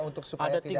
untuk supaya tidak